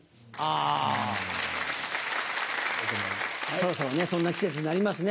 そろそろそんな季節になりますね。